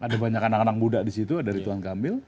ada banyak anak anak budak disitu dari tuan kamil